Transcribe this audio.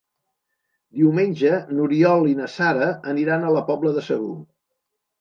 Diumenge n'Oriol i na Sara aniran a la Pobla de Segur.